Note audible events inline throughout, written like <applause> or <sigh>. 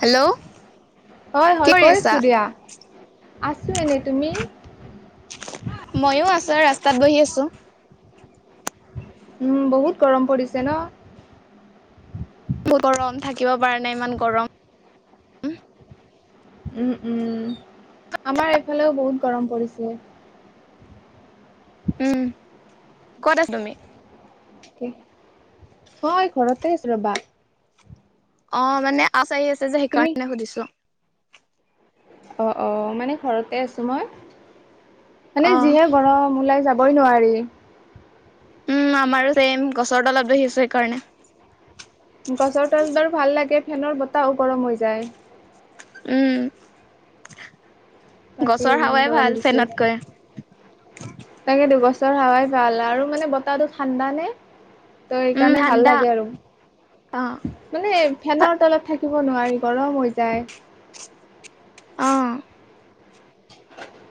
Hello হয় কি হয় কৰি আছা? কৈছোঁ দিয়া আছো এনে তুমি? ময়ো আছো ৰাস্তাত বহি আছো। উম বহুত গৰম পৰিছে ন? গৰম থাকিব পৰা নাই ইমান গৰম। উম উম আমাৰ এইফালেও বহুত গৰম পৰিছে। উম ক'ত আছ তুমি? অ ঘৰতে আছো ৰবা। অ মানে আচাৰি আছে যে তুমি সেইকাৰণে সুধিছো। অ অ মানে ঘৰতে আছো মই। মানে অ' যিহে গৰম ওলাই যাব বৈ নোৱাৰি। উম আমাৰো চে'ইম গছৰ তলত দেখিছো সেইকাৰণে। গছৰ তলডৰ ভাল লাগে ফেনৰ বতাহও গৰম হৈ যায়। উম তাকে গছৰ ইমান হাৱাই ভাল ফেনতকৈ। <inaudible> তাকেটো গছৰ হাৱাই ভাল আৰু মানে বতাহটো ঠাণ্ডা নে? ত উম, সেইকাৰণে ভাল ঠাণ্ডা লাগে আৰু। অ' মানে ফেনৰ তলত থাকি থাকিব নোৱাৰি গৰম হৈ যায়। অহ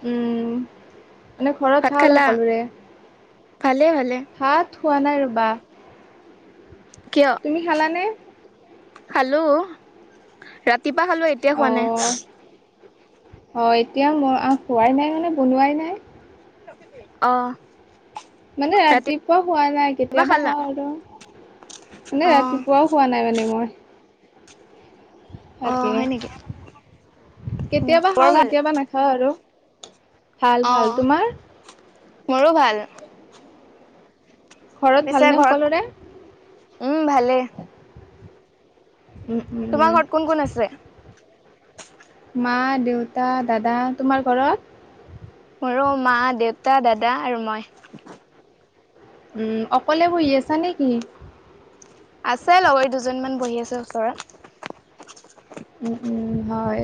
উম মানে ভাত ঘৰত ভাল খালা? সকলোৰে? ভালে ভালে। থোৱা নাই ৰ'বা। কিয়? তুমি খালানে? খালো। ৰাতিপা খালো, এতিয়া খোৱা নাই। হয় এতিয়া মই খোৱাই নাই মানে বনোৱাই নাই। অহ মানে ৰাতিপুৱা খোৱা নাই কেতিয়াবা খালা? খাওঁ আৰু মানে অ' ৰাতিপুৱাও খোৱা নাই মানে মই। তাকে অ' হয় নেকি? উম, কেতিয়াবা বৰ খাওঁ ভাল। কেতিয়াবা নাখাওঁ আৰু। ভাল ভাল অ' তোমাৰ? মোৰো ভাল। ঘৰত পিছে ভাল'নে ঘৰত সকলোৰে? উম ভালে। উম উম তোমাৰ উম ঘৰত কোন কোন আছে? মা, দেউতা, দাদা তোমাৰ ঘৰত? মোৰো মা, দেউতা, দাদা আৰু মই। উম অকলে বহি আছা নেকি? আছে লগৰ দুজনীমান বহি আছে ওচৰত। ওম ওম হয়।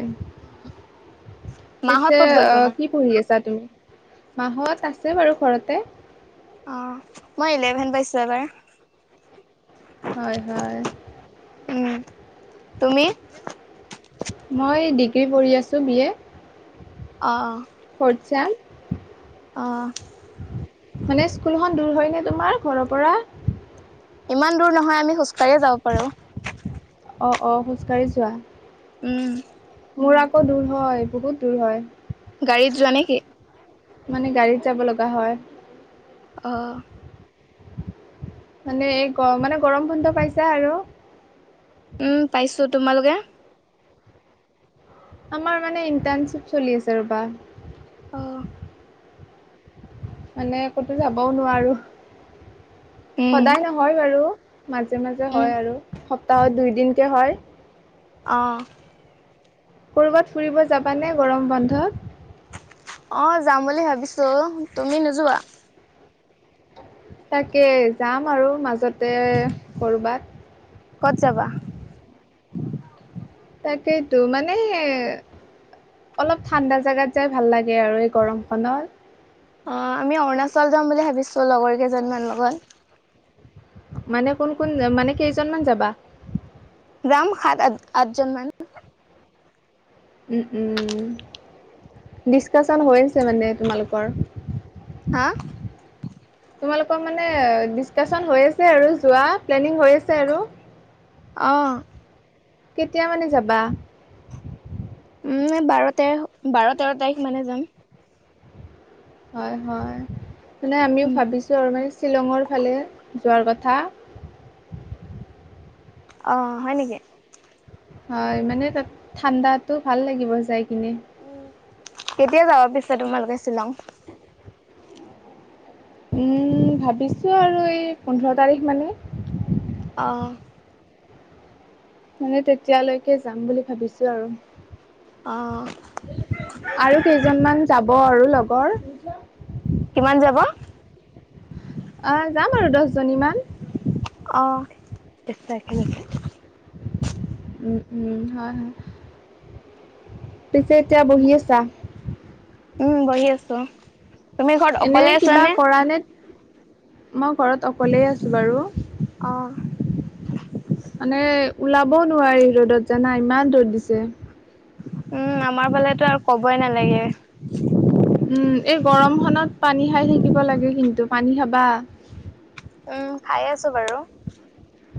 মাহত পিছে ক'ত গ'ল আহ তোমাৰ কি পঢ়ি আছা তুমি? মা হত আছে বাৰু ঘৰতে। অ মই ইলেভেন পাইছো এবাৰ। হয় হয়। উম তুমি? মই ডিগ্ৰী পঢ়ি আছো বি এ অ ৰ্ফট চেম <unintelligible> অ মানে স্কুলখন দূৰ হয় নে তোমাৰ ঘৰৰ পৰা? ইমান দূৰ নহয়। আমি খোজ কাঢ়িয়ে যাব পাৰো। অ-অ খোজ কাঢ়ি যোৱা? উম। মোৰ আকৌ দূৰ হয়, বহুত দূৰ হয়। গাড়ীত যোৱা নে কি? মানে গাড়ীত যাব লগা হয়। অহ। মানে এই গ মানে গৰম বন্ধ পাইছা আৰু? উম পাইছো। তোমালোকে? আমাৰ মানে ইণ্টাৰ্ণশ্বিপ চলি আছে ৰবা। অহ। মানে ক'তো যাবও নোৱাৰো। উম সদায় নহয় বাৰু। মাজে-মাজে উম হয় আৰু সপ্তাহত দুই দিনকে হয়। অ। কৰ'বাত ফুৰিব যাবানে গৰম বন্ধত? অ, যাম বুলি ভাবিছো। তুমি নোযোৱা? তাকে, যাম আৰু মাজতে কৰবাত। ক'ত যাবা? তাকেইতো মানে হে অলপ ঠাণ্ডা জাগাত যাই ভাল লাগে আৰু এই গৰমখনত। অ, আমি অৰুণাচল যাম বুলি ভাবিছো লগৰ কেইজনীমান লগত। মানে কোন-কোন মানে কেইজনমান যাবা? যাম সাত, আঠ আঠজন মান। উম উম। ডিচকাচন হৈ আছে মানে তোমালোকৰ? হা? তোমালোকৰ মানে ডিচকাচন হৈ আছে আৰু যোৱা প্লেনিং হৈ আছে আৰু? অ। কেতিয়া মানে যাবা? উম, বাৰ, তেৰ, বাৰ, তেৰ তাৰিখ মানে যাম। হয়, হয়। মানে আমিও উম ভাবিছো আৰু মানে শ্বিলঙৰ ফালে যোৱাৰ কথা। অ, হয় নেকি? হয়, মানে তাত ঠাণ্ডাতো ভাল লাগিব যাই। কিনে উ, কেতিয়া যাবা পিছে তোমালোকে শ্বিলং? উম, ভাবিছো আৰু এই পোন্ধৰ তাৰিখ মানে। অ। মানে তেতিয়ালৈকে যাম বুলি ভাবিছো আৰু। অ <unintelligible> আৰু কেইজনমান যাব আৰু লগৰ। কিমান যাব? আ যাম আৰু দছজনী মান। অ। <unintelligible> উম, উম হয়। পিছে এতিয়া বহি আছা? উম বহি আছো তুমি ঘৰত এনে অকলে আছা কিবা নে? কৰা মই ঘৰত অকলেই আছোঁ বাৰু। অ মানে ওলাব নোৱাৰি ৰ'দত জানা ইমান ৰ'দ দিছে। উম আমাৰ ফালেতো আৰু কবই নালাগে। উম এই গৰম খত পানী খাই থাকিব লাগে কিন্তু পানী খাবা। উম খাই আছো বাৰু।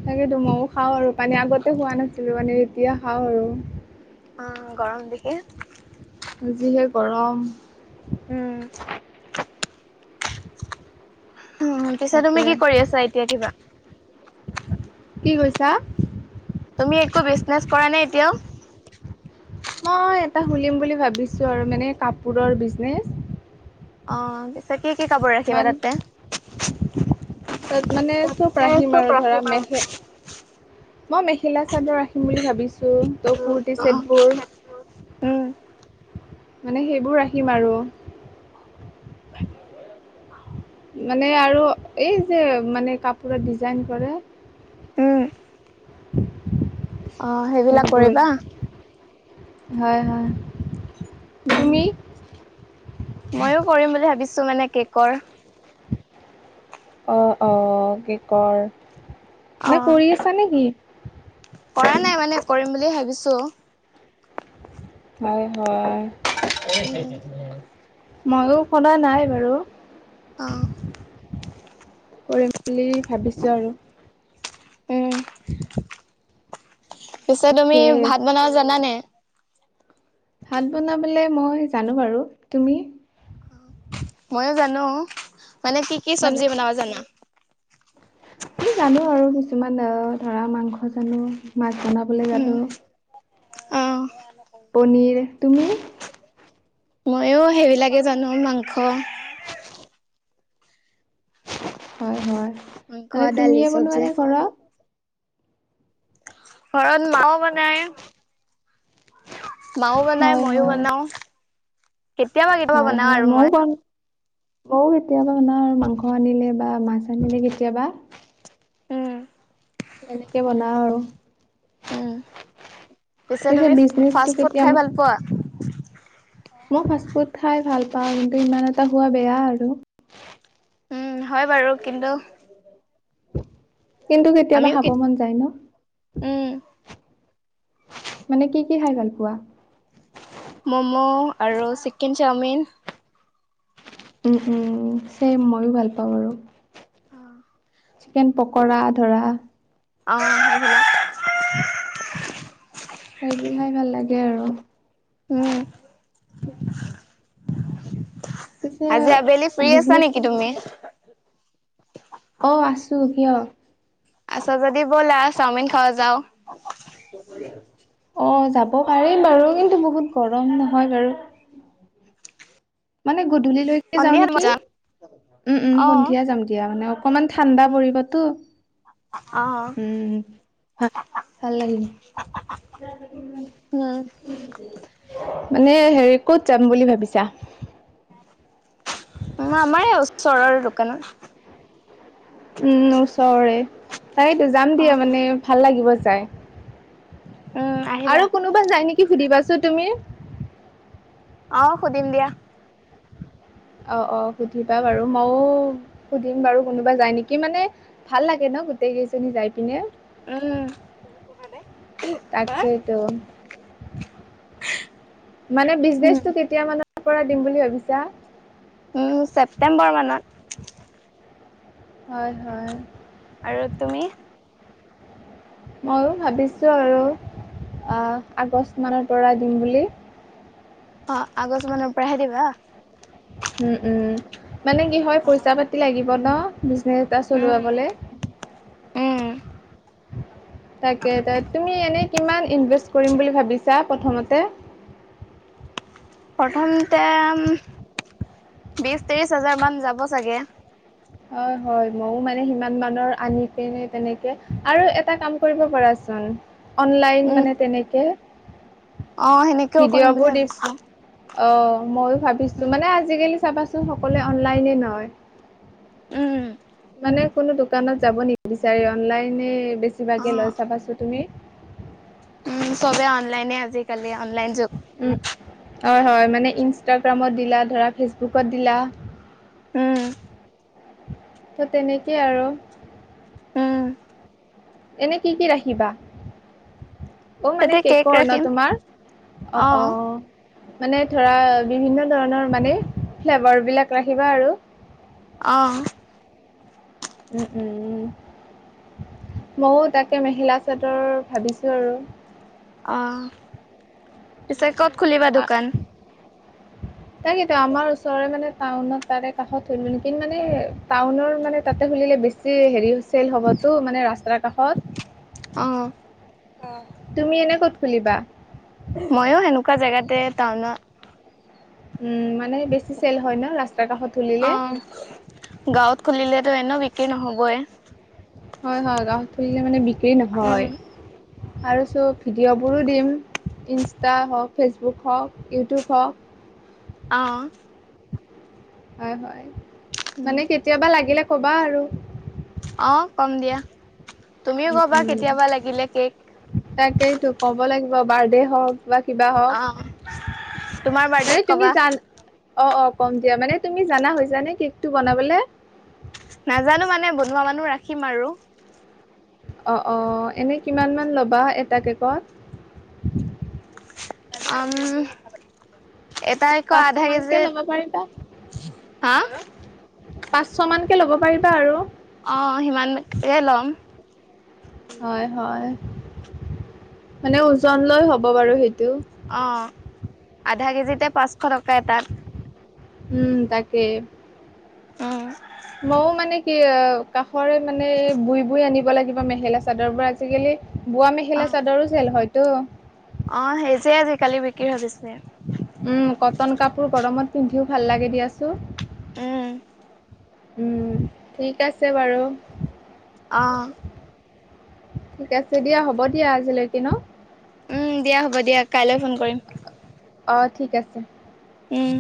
তাকেতো মইয়ো খাওঁ আৰু পানী আগতে খোৱা নাছিলো মানে এতিয়া খাওঁ আৰু। অ গৰম দেখি। যিহে গৰম। উম উম পিছে তুমি তাকে কি কৰি আছা এতিয়া কিবা কি কৈছা? তুমি একো বিজনেছ কৰা নাই এতিয়াও। মই এটা খোলিম বুলি ভাবিছোঁ আৰু মানে কাপোৰৰ বিজনেচ। অ পিছে কি কি কাপোৰ ৰাখিবা মান তাতে। তাত মানে চব ৰাখিম আৰু ধৰা মেহে মই মেখেলা চাদৰ ৰাখিম বুলি ভাবিছোঁ ত' কুৰটি ছেটবোৰ। উম! মানে সেইবোৰ ৰাখিম আৰু। মানে আৰু এই যে মানে কাপোৰত ডিজাইন কৰে। উম, অ সেইবিলাক সেইবোৰ কৰিবা। হয় হয়। উম তুমি মইয়ো কৰিম বুলি ভাবিছোঁ মানে কেকৰ অ অ কেকৰ। আহ কৰা নাই মানে কৰিম বুলি ভাবিছোঁ। হয় হয়। উম, মইয়ো খোলা নাই বাৰু। অহ কৰিম বুলি ভাবিছোঁ আৰু। উম। <inaudible> পিছে তুমি তাকে ভাত বনাব জানা নে? ভাত বনাবলে মই জানো বাৰু, তুমি? মইয়ো জানো, মানে কি কি মানে চব্জি বনাব জানা? জানো আৰু কিছুমান অহ ধৰা মাংস জানো মাছ। বনাবলৈ জানো। অহ পনীৰ তুমি? মইয়ো সেইবিলাকে জানো মাংস। হয় হয়, মাংস, মানে দালি, তুমিয়ে বনোৱা চব্জি। নে ঘৰত? ঘৰত মাই বনাই। মাও বনাই হয় মইও হয় বনাও। কেতিয়াবা কেতিয়াবা হয় বনাও হয় আৰু মই ব মইয়ো কেতিয়াবা মানে মাংস আনিলে বা মাছ আনিলে কেতিয়াবা উম! তেনেকে বনাও আৰু। উম। পিছে তুমি বিজনেচটো ফাষ্ট ফুড কেতিয়া খাই ভাল পোৱা? মই ফাষ্ট ফুড খাই ভাল পাওঁ কিন্তু ইমান এটা খোৱা বেয়া আৰু। উম হয় বাৰু কিন্তু। কিন্তু কেতিয়াবা আমিও হাব কেত মন যায় ন। উম, মানে কি কি খাই ভাল পোৱা? মম' আৰু চিকেন চাওমিন। চছেম ময়ো ভাল পাওঁ আৰু। অ চিকেন পকৰা ধৰা। অ, <unintelligible> সেইবোৰ খাই ভাল লাগে আৰু। উম। পিছে আজি আবেলি ফ্ৰী আছা বিজনেচটো নিকি তুমি? অ আছোঁ কিয়, আছা যদি ব'লা চাওমিন খাও যাও। অ যাব পাৰিম বাৰু কিন্তু বহুত গৰম নহয় বাৰু। উম মানে গধূলিলৈকে যাও সন্ধিয়া মই নিকি, যাম উম উম অ'। সন্ধিয়া যাম দিয়া মানে অকমান ঠাণ্ডা পৰিবতো। অ'। উম হা ভাল লাগিম উম মানে হেৰি ক'ত যাম বুলি ভাবিছা। উ আমাৰ এ ওচৰৰ দোকানৰ উম ওচৰৰে তাইতো যাম দিয়া অ'। মানে ভাল লাগিব যাই। উম, আহিবা। আৰু কোনোবা যায় নিকি সুধিবাচো তুমি। অ সুদিম দিয়া। অ অ সুধিবা বাৰু মও সুধিম বাৰু কোনোবা যাই নিকি মানে ভাল লাগে ন। গোটেই কেইজনী যাই পিনে। উম তুমি পুহা নে। তাকেইতো মানে উম, বিজনেচটো কেতিয়া মানত কৰা দিম বুলি ভাবিছা। উম ছেপ্তেম্বৰ মানত। হয় হয় আৰু তুমি। ময়ো ভাবিছো আৰু। আগষ্ট মানৰ পৰা দিম বুলি অ আগষ্ট মানৰ পৰা আহে দিবা। উম উম মানে কি হয় পইচা পাতি লাগিব ন। হে তা চলোৱা উম। বলে। উম, তাকে তাত তুমি এনে কিমান ইনভেষ্ট কৰিম বুলি ভাবিছ। ছা প্ৰথমতে। প্ৰথমতে বিশ ত্ৰিশ হাজাৰ মান যাব চাগে। হয় হয় মইও মানে সিমান মানৰ আনি পিনে তেনেকে আৰু এটা কাম কৰিব পৰা ছ। কাৰণ অনলাইন উম। মানে তেনেকে। অ সেনেকেও কৰিম ভিডিঅ'বোৰ বুলি দি ভাবিছো। অ ময়ো ভাবিছো উম। মানে আজিকালি চাবাচোন সকলোৱে অনলাইনে নহয়। উম, মানে কোনো দোকানত যাব নি বিচাৰি অনলাইনে বেছিভাগে অ', লয় চাবাচো তুমি। উম চবে অনলাইনে আজিকালি অনলাইন যুগ। উম হয় হয় মানে ইনষ্টাগ্ৰামত দিলা, ধৰা ফেচবুকত দিলা। উম ত' তেনেকেই আৰু। উম, এনে কি কি ৰাখিবা। অ মানে তাতে কেক কেকৰ ন ৰাখিম তোমাৰ অ অ। মানে ধৰা বিভিন্ন ধৰণৰ মানে ফ্লেভাৰ বিলাক ৰাখিবা আৰু। অহ। উম উম উম। ময়ো তাকে মেখেলা চাদৰ ভাবিছো আৰু। আহ পিছে কত খুলিবা দোকান? <inaudible> তাকেই ত আমাৰ ওচৰৰে মানে টাউনত তাৰে কাষত <unintelligible> মানে টাউনৰ মানে তাতে খুলি। বেছি হেৰি চল হ'বতো মানে ৰাস্তাৰ অ', কাষত। তুমি এনে ক'ত খুলিবা। তে টাউনত। উম। বেছি চেল হয় না ৰাস্তা কাষত খুলিলে। অ'। তে নহবই। হয় হয় গাঁৱত খুলিলে মানে বিক্ৰী উম, নহয়। আৰু চোব ভিডিঅ'বোৰো দিম। ইনষ্টা হওক ফেচবুক হওক ইউটিউব হওক। অহ। হয় হয় উম, মানে কেতিয়াবা লাগিলে কবা আৰু। অ কম দিয়া তুমিও উম কবা উম। কেতিয়াবা লাগিলে কেক। তাকেইতো ক'ব লাগিব বাৰ্থডে হওক বা। কিবা হওক অ তোমাৰ মানে বাৰ্থডেত তুমি কবা। জান অ অ কম দিয়া মানে তুমি জানা হৈছানে কেকটো বনাবলে। নাজানো মানে বনোৱা মানুহ ৰাখিম আৰু। অ অ এনে কিমান মান ল'বা এটা কেকত। উম এটাই কই পাঁচশ আধা মানকে কেজিত। ল'ব <inaudible> হা। পাঁচশ মানকে ল'ব পাৰিবা আৰু। অ সিমান এ লম। হয় হয় মানে ওজন লৈ হ'ব বাৰু সেইটো। অ আধা কেজিতে পাঁচশ টকা এটাত। উম তাকে। উম। মৌ মানে। কি কাষৰে মানে বই বৈ আনিব লাগিব মেখেলা চাদৰ পৰা আজিকালি। বোৱা অ মেখেলা চাদৰো চ হয়তো। অ সেই যে আজিকালি বিক্ৰী ভাবিছে। উম কটন কাপোৰ গৰমত পিন্ধিও ভাল লাগে দিয়াচো। উম। উম ঠিক আছে বাৰু। অ ঠিক আছে দিয়া হ'ব দিয়া আজিলৈকে ন। উম দিয়া হ'ব দিয়া কাইলৈ ফোন কৰিম। অ ঠিক আছে। উম।